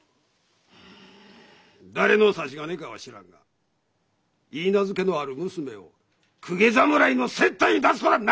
誰の差し金かは知らんが許嫁のある娘を公家侍の接待に出すとは何事か！